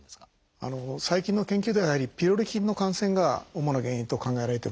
最近の研究ではピロリ菌の感染が主な原因と考えられています。